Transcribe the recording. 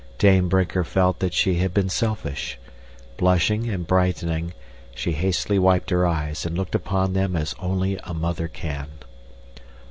Dame Brinker felt that she had been selfish. Blushing and brightening, she hastily wiped her eyes and looked upon them as only a mother can.